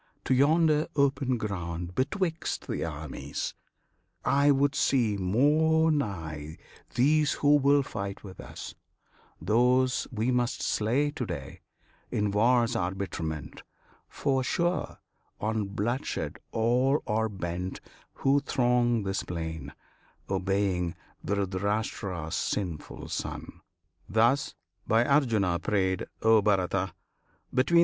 to yonder open ground Betwixt the armies; I would see more nigh These who will fight with us, those we must slay To day, in war's arbitrament; for, sure, On bloodshed all are bent who throng this plain, Obeying Dhritirashtra's sinful son." Thus, by Arjuna prayed, (O Bharata!)